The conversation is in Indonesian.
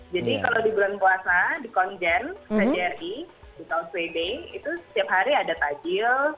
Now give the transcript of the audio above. jadi kalau di bulan puasa di konjern di jri di kauswebe itu setiap hari ada tajil